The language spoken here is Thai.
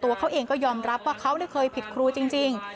ตัวเขาเองก็ยอมรับว่าเขาเคยผิดครูจริง